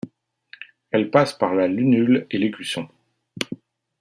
Elle passe par la lunule et l'écusson.